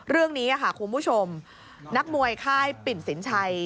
เรื่องนี้ค่ะคุณผู้ชมนักมวยค่ายปิ่นสินชัย